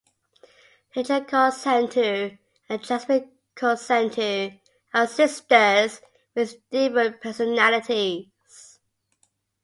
Tejo Kaur Sandhu and Jasmin Kaur Sandhu are sisters with different personalities.